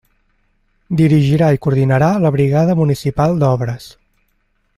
Dirigirà i coordinarà la brigada municipal d'obres.